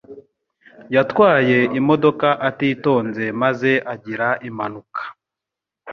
Yatwaye imodoka atitonze maze agira impanuka.